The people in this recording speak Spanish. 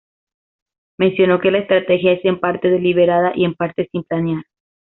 Mencionó que la estrategia es en parte deliberada y en parte sin planear.